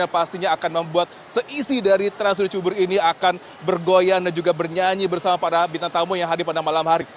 dan pastinya akan membuat seisi dari trans studio cibubur ini akan bergoyang dan juga bernyanyi bersama para bintang tamu yang hadir pada malam hari